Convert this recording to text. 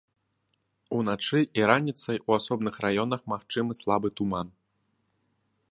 Уначы і раніцай у асобных раёнах магчымы слабы туман.